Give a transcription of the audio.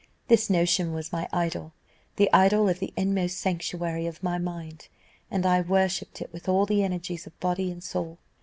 This notion was my idol, the idol of the inmost sanctuary of my mind, and I worshipped it with all the energies of body and soul.